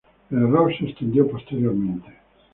El error se extendió posteriormente.